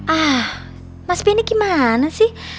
ah mas benny gimana sih